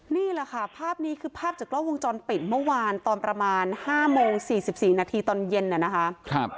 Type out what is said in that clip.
นี่แหละค่ะภาพนี้คือภาพจากกล้องวงจรปิดเมื่อวานตอนประมาณ๕โมง๔๔นาทีตอนเย็นน่ะนะคะ